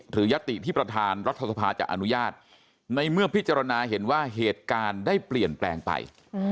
ยติที่ประธานรัฐสภาจะอนุญาตในเมื่อพิจารณาเห็นว่าเหตุการณ์ได้เปลี่ยนแปลงไป